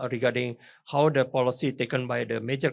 mengenai bagaimana kebijakan oleh negara besar